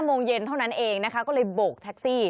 โมงเย็นเท่านั้นเองนะคะก็เลยโบกแท็กซี่